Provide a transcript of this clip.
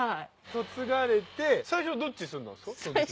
嫁がれて最初どっちに住んだんですか？